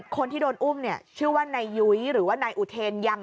คนที่โดนอุ้มเนี่ยชื่อว่านายยุ้ยหรือว่านายอุเทนยัง